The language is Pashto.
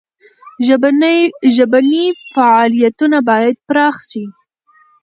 ژبني فعالیتونه باید پراخ سي.